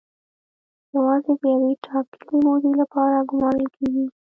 یوازې د یوې ټاکلې مودې لپاره ګومارل کیږي.